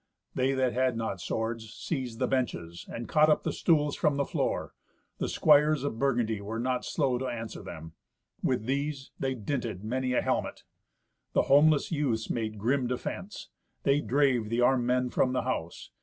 They that had not swords seized the benches, and caught up the stools from the floor. The squires of Burgundy were not slow to answer them. With these they dinted many a helmet. The homeless youths made grim defence. They drave the armed men from the house.